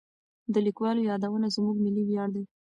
د لیکوالو یادونه زموږ ملي ویاړ دی.